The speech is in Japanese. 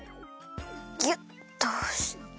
ギュッとおして。